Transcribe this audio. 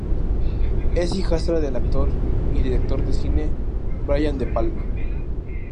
Es hijastra del actor y director de cine Brian De Palma.